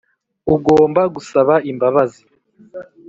ugomba gusaba imbabazi.